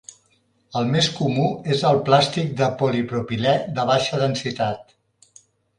El més comú és el plàstic de polipropilè de baixa densitat.